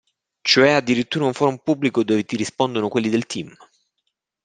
Cioè addirittura un forum pubblico dove ti rispondono quelli del team!